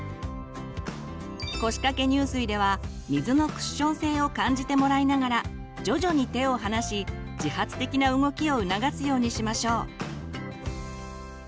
腰掛け入水では水のクッション性を感じてもらいながら徐々に手を離し自発的な動きを促すようにしましょう。